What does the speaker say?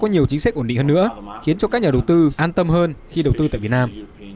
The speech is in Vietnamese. chúng tôi hy vọng chính phủ sẽ có nhiều chính sách ổn định hơn nữa khiến cho các nhà đầu tư an tâm hơn khi đầu tư tại việt nam